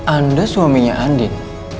anda suaminya andin